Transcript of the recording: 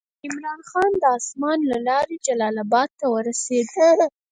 عمرا خان د اسمار له لارې جلال آباد ته ورسېد.